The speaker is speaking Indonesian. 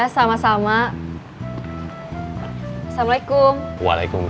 sampai jumpa lagi